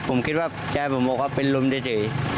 ผมคิดว่าแทรกบะโมคเขาเป็นรุมเด่ย